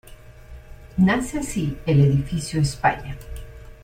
Nace así el edificio España.